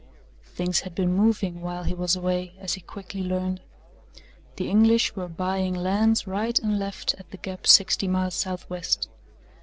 Things had been moving while he was away, as he quickly learned. The English were buying lands right and left at the gap sixty miles southwest.